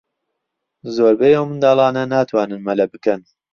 زۆربەی ئەو منداڵانە ناتوانن مەلە بکەن.